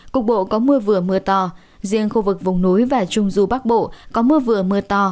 cục bộ có mưa vừa mưa to riêng khu vực vùng núi và trung du bắc bộ có mưa vừa mưa to